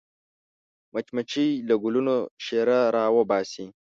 مچمچۍ له ګلونو شیره راوباسي